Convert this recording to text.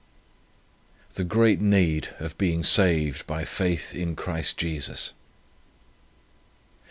THE GREAT NEED OF BEING SAVED BY FAITH IN CHRIST JESUS.